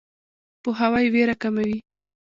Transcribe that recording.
پوهاوی ویره کموي.